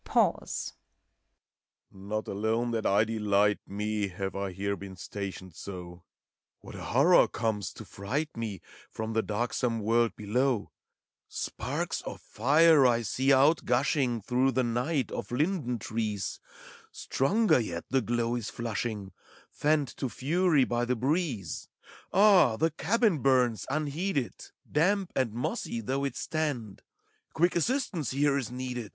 Pause. Not alone that I delight me. Have I here been stationed so :— What a horror comes, to fright me. From the darksome world below! Sparks of fire I see outgushing Through the night of linden trees; Stronger yet the glow is flushing, Fanned to fury by the breeze. A.h! the cabin burns, unheeded. Damp and mossy though it stand: Quick assistance here is needed, A.